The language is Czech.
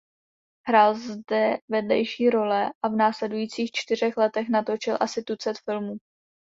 Hrál zde vedlejší role a v následujících čtyřech letech natočil asi tucet filmů.